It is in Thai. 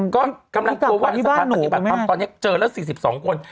ก็กำลังกลัวว่าสถานปฏิบัติความตอนนี้เจอแล้ว๔๒คน